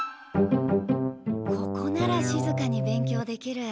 ここならしずかに勉強できる。